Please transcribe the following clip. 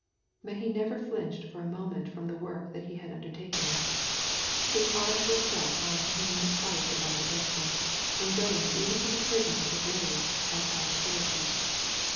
But He never flinched for a moment from the work that He had undertaken. His heart was set on paying the price of our redemption, and going even to the prison of the grave, as our surety.